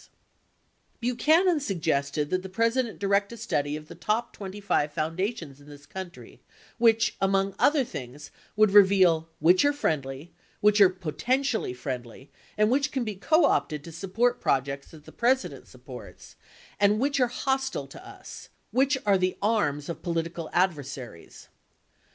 142 Buchanan suggested that the President direct a study of the top 25 foundations in this country, which among other things, would reveal "which are friendly, which are potentially friendly, which can be co opted to support projects that the President supports, and which are hostile to us ; which are the arms of political adversaries."